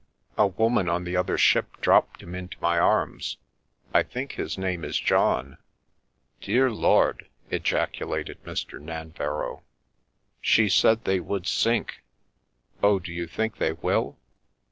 "A woman on the other ship dropped him into m; arms. I think his name is John." " Dear Lord !" ejaculated Mr. Nanverrow. " She said they would sink. Oh ! do you think the will?"